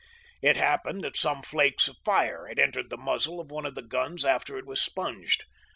It happened that some flakes of fire had entered the muzzle of one of the guns after it was sponged.